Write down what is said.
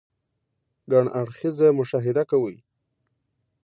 ګڼ اړخيزه مشاهده کوئ -